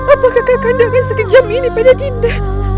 apakah kakak anda akan sekejam ini pada dinda